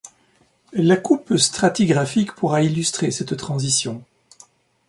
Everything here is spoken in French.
La coupe stratigraphique pourra illustrer cette transition.